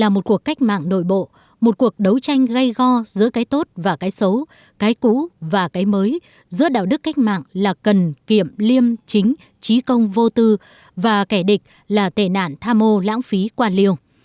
một cuộc đấu tranh gây go giữa cái tốt và cái xấu cái cũ và cái mới giữa đạo đức cách mạng là cần kiểm liêm chính trí công vô tư và kẻ địch là tệ nạn tha mô lãng phí quan liều